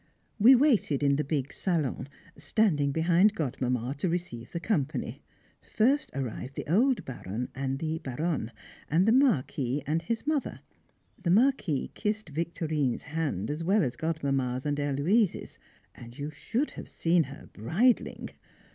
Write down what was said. We waited in the big salon, standing behind Godmamma to receive the company. First arrived the old Baron and the Baronne, and the Marquis and his mother. The Marquis kissed Victorine's hand as well as Godmamma's and Héloise's, and you should have seen her bridling!